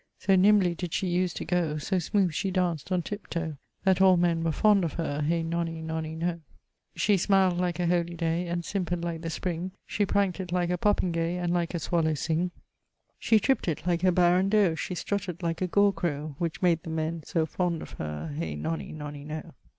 So nimbly did she use to goe, So smooth she danc't on tip toe, That all men were fond of her Hye nonny nonny noe. She smiled like a Holy day And simpred like the Spring, She pranck't it like a popingaie And like a swallow sing, She trip't it like a barren doe, She strutted like a gor crowe, Which made the men so fond of her Hye nonny nonny noe.